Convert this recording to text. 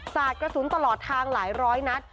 สาดกระสุนตลอดทางหลายร้อยนัด